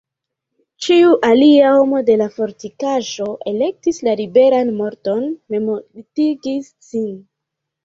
Ĉiu alia homo de la fortikaĵo elektis la liberan morton, memmortigis sin.